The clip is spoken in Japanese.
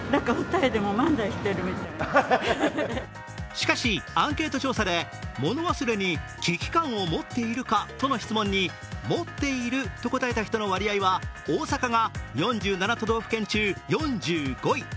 しかし、アンケート調査で物忘れに危機感を持っているかとの質問に持っていると答えた人の割合は大阪が４７都道府県中４５位。